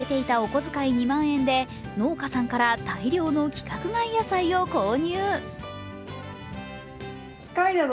ためていたお小遣い２万円で農家さんから大量の規格外野菜を購入。